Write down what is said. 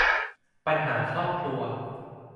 ปัญหาครอบครัว